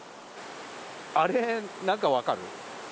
あれ、何か分かる？